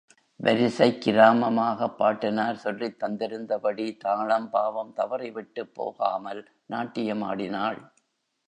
வரிசைக் கிராமமாகப் பாட்டனார் சொல்லித் தந்திருந்தபடி, தாளம், பாவம் தவறி, விட்டுப் போகாமல் நாட்டியமாடினாள்.